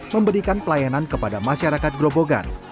memberikan pelayanan kepada masyarakat grobogan